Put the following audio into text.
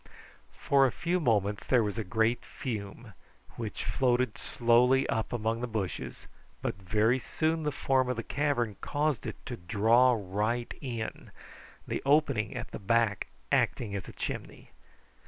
For a few moments there was a great fume, which floated slowly up among the bushes, but very soon the form of the cavern caused it to draw right in, the opening at the back acting as a chimney.